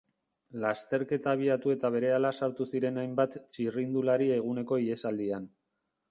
Lasterketa abiatu eta berehala sartu ziren hainbat txirrindulari eguneko ihesaldian.